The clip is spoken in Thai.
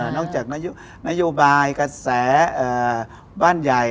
จากนโยบายกระแสบ้านใหญ่